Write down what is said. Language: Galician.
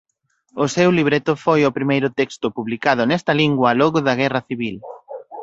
O seu libreto foi o primeiro texto publicado nesta lingua logo da Guerra Civil.